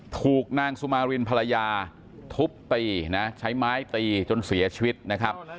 ถูกนางสุมารินภรรยาทุบตีนะใช้ไม้ตีจนเสียชีวิตนะครับ